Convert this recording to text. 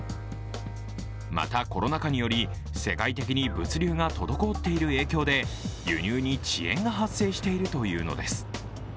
また、コロナ禍により世界的に物流が滞っている影響で輸入に遅延が発生しているというのです。